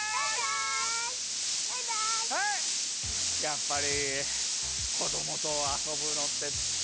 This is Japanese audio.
やっぱりこどもとあそぶのってたのしいな。